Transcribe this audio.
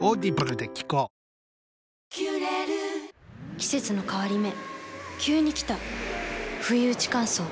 季節の変わり目急に来たふいうち乾燥。